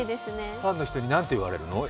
ファンの人に何て言われるの？